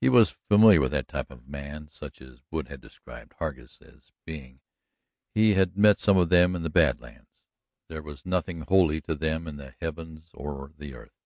He was familiar with that type of man such as Wood had described Hargus as being; he had met some of them in the Bad Lands. There was nothing holy to them in the heavens or the earth.